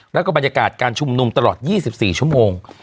แล้วก็บรรยากาศการชุมนุมตลอด๒๔ชั่วโมง